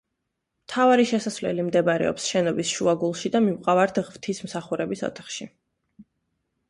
მთავარი შესასვლელი მდებარეობს შენობის შუაგულში და მივყავართ ღვთისმსახურების ოთახში.